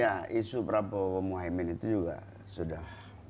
ya isu prabowo mohaimin itu juga sudah